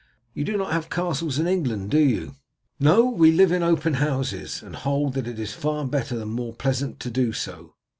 You do not have castles in England, do you?" "No, we live in open houses, and hold that it is far better and more pleasant to do so.